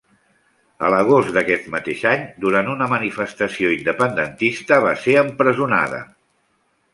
A l'agost d'aquest mateix any, durant una manifestació independentista, va ser empresonada.